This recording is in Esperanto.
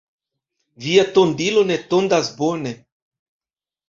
Via tondilo ne tondas bone.